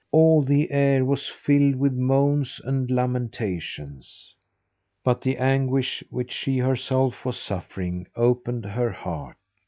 All the air was filled with moans and lamentations. But the anguish which she herself was suffering, opened her heart.